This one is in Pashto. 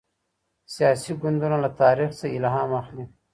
سياسي ګوندونه له تاريخ څخه الهام اخلي.